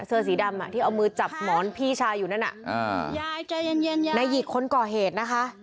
เสื้อสีดำอ่ะที่เอามือจับหมอนพี่ชายอยู่นั่นอ่ะอ่ายายใจเย็นนายหิกคนก่อเหตุนะคะ